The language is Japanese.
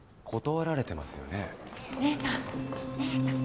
姉さん姉さん。